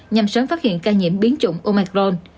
nhằm sớm phát hiện ca nhiễm biến chủng omicron